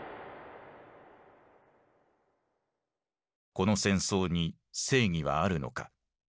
この戦争に正義はあるのか。